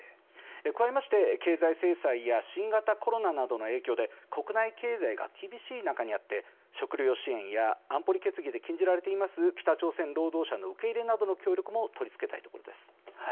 加えまして経済制裁や新型コロナなどの影響で国内経済が厳しい中にあって食料支援や安保理決議で禁じられている北朝鮮労働者の受け入れなどの協力も取り付けたいものです。